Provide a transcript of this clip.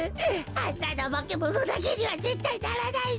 あんななまけものだけにはぜったいならないぞ。